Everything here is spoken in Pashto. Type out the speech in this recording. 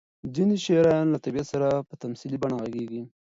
ځینې شاعران له طبیعت سره په تمثیلي بڼه غږېږي.